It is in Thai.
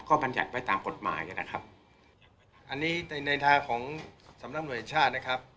ก็บรรยัติไว้ตามกฎหมายนะครับอันนี้ในในทางของสำนักหน่วยชาตินะครับ